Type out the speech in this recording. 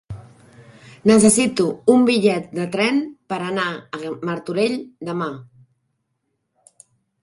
Necessito un bitllet de tren per anar a Martorell demà.